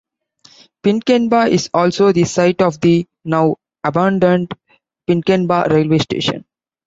Pinkenba is also the site of the now-abandoned Pinkenba railway station.